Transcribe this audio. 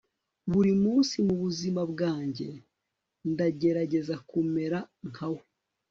buri munsi mubuzima bwanjye ndagerageza kumera nkawe